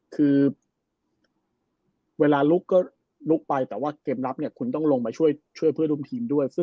คือเวลาลุกก็ลุกไปแต่ว่าเกมรับเนี่ยคุณต้องลงมาช่วยเพื่อนร่วมทีมด้วย